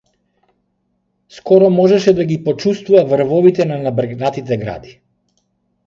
Скоро можеше да ги почуствува врвовите на набрекнатите гради.